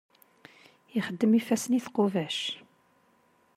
Ixeddem ifassen i tqubac.